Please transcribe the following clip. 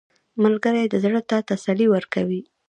ملګری د زړه ته تسلي ورکوي